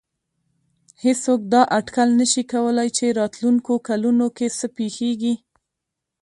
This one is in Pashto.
هېڅوک دا اټکل نه شي کولای چې راتلونکو کلونو کې څه پېښېږي.